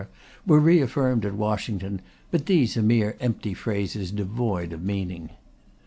were reaffirmed at Washington; but these are mere empty phrases devoid of meaning.